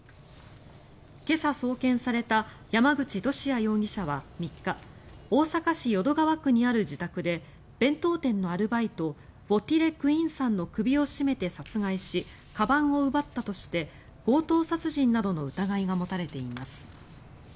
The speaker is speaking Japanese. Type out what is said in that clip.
今朝、送検された山口利家容疑者は３日大阪市淀川区にある自宅で弁当店のアルバイトヴォ・ティ・レ・クインさんの首を絞めて殺害しかばんを奪ったとして強盗殺人などの疑いが持たれています。